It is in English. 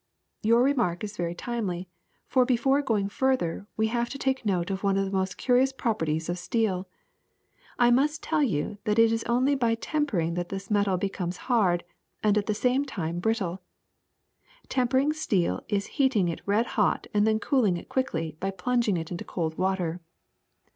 ^*Your remark is very timely, for before going further we have to take note of one of the most curious properties of steel. I must tell you that it is only by tempering that this metal becomes hard and at the sraue time brittle. Tempering steel is heating it red hot and then cooling it quickly by plunging it into cold water.